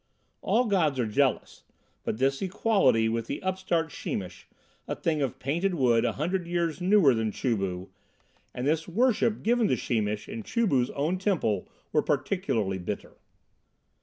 All gods are jealous, but this equality with the upstart Sheemish, a thing of painted wood a hundred years newer than Chu bu, and this worship given to Sheemish in Chu bu's own temple, were particularly bitter.